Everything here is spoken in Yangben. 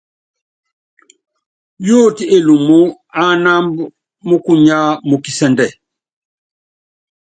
Yóoti Elumú ánámb múkunyá mú kisɛ́ndɛ.